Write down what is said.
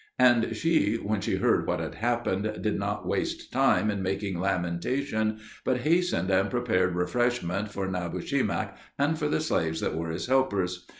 And she, when she heard what had happened, did not waste time in making lamentation, but hastened and prepared refreshment for Nabushemak and for the slaves that were his helpers.